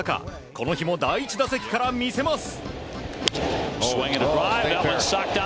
この日も第１打席から見せます。